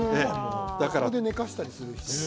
ここで寝かせたりしない。